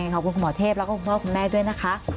ขอบคุณคุณหมอเทพแล้วก็คุณพ่อคุณแม่ด้วยนะคะ